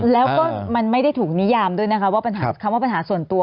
แล้วก็มันไม่ได้ถูกนิยามด้วยนะคะว่าปัญหาคำว่าปัญหาส่วนตัว